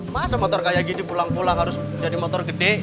masa motor kayak gini pulang pulang harus jadi motor gede